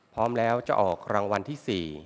พร้อมแล้วจะออกรางวัลที่๔